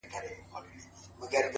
په يبلو پښو روان سو؛